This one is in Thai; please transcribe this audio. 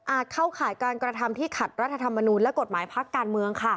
เข้าข่ายการกระทำที่ขัดรัฐธรรมนูลและกฎหมายพักการเมือง